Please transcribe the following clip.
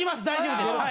大丈夫です。